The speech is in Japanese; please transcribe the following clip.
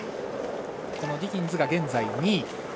ディギンズが現在２位。